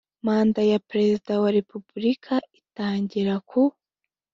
Manda ya Perezida wa Repubulika itangira ku